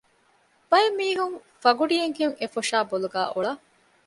ބައެއް މީހުން ފަގުޑިއެއްހެން އެފޮށާ ބޮލުގައި އޮޅަ